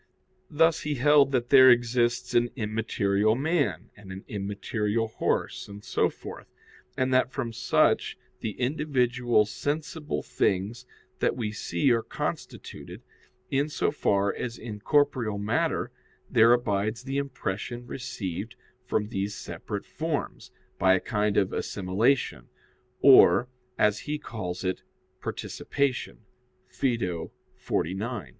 Thus he held that there exists an immaterial man, and an immaterial horse, and so forth, and that from such the individual sensible things that we see are constituted, in so far as in corporeal matter there abides the impression received from these separate forms, by a kind of assimilation, or as he calls it, "participation" (Phaedo xlix).